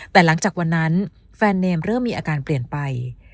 แต่หลังจากวันนั้นแฟนเนมเริ่มมีอาการเปลี่ยนไป